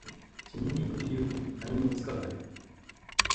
死にに行く理由に他人を使うなよ